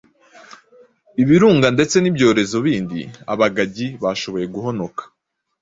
ibirunga ndetse n'ibyorezo bindi Abagagi bashoboye guhonoka